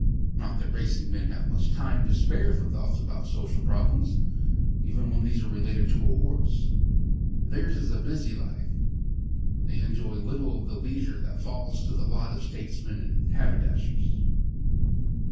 Not that racing men have much time to spare for thoughts about social problems, even when these are related to a horse. Theirs is a busy life. They enjoy little of the leisure that falls to the lot of statesmen and haberdashers.